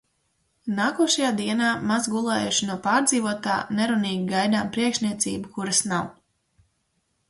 Nākošajā dienā, maz gulējuši no pārdzīvotā, nerunīgi gaidām priekšniecību, kuras nav.